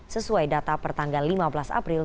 sesuai data pertanggal lima belas april dua ribu dua puluh